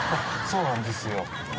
そうなんですよ。